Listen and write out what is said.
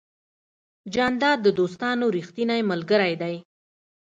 جانداد د دوستانو ریښتینی ملګری دی.